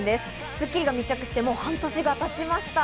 『スッキリ』が密着して、もう半年が経ちました。